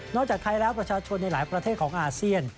จากไทยแล้วประชาชนในหลายประเทศของอาเซียน